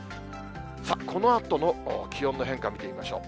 このあとの気温の変化見てみましょう。